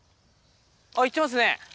あっ行ってますね